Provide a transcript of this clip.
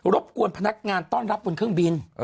บกวนพนักงานต้อนรับบนเครื่องบิน